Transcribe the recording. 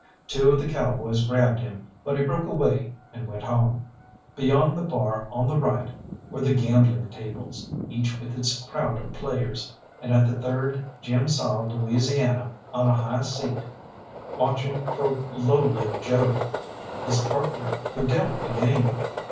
Two of the cowboys grabbed him, but he broke away, and went on. Beyond the bar on the right were the gambling tables, each with its crowd of players, and at the third Jim saw Louisiana on a high seat watching for Low Lived Joe, his partner, who dealt the game.